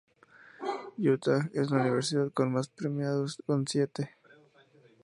Utah es la universidad con más premiados con siete.